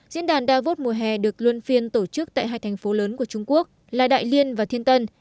diễn đàn davos mùa hè được luân phiên tổ chức tại hai thành phố lớn của trung quốc là đại liên và thiên tân